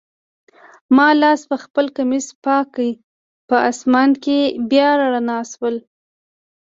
ما لاس پخپل کمیس پاک کړ، په آسمان کي بیا رڼا شول.